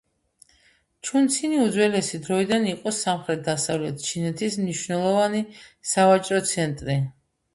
ჩუნცინი უძველესი დროიდან იყო სამხრეთ-დასავლეთ ჩინეთის მნიშვნელოვანი სავაჭრო ცენტრი.